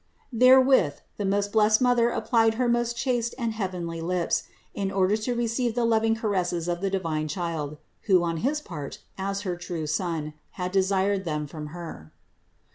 Therewith the most blessed Mother applied her most chaste and heavenly lips in order to receive the loving caresses of the divine Child, who on his part, as her true Son, had desired them from Her.